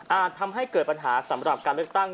ทำให้เกิดปัญหาสำหรับการเลือกตั้ง